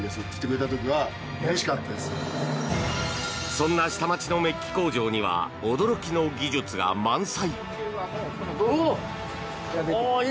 そんな下町のメッキ工場には驚きの技術が満載。